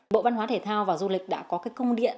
bộ văn hóa thể thao và du lịch đã có các hành vi phản cảm